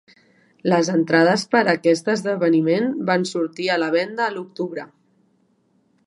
Les entrades per a aquest esdeveniment van sortir a la venda a l'octubre.